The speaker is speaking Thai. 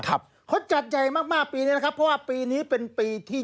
เขาจัดใหญ่มากมากปีนี้นะครับเพราะว่าปีนี้เป็นปีที่